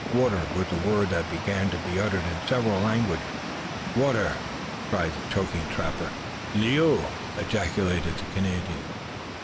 "Water!" was the word that began to be uttered in several languages. "Water!" cried the choking trapper. "L'eau!" ejaculated the Canadian.